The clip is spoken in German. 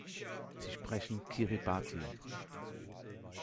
Sie sprechen Kiribati.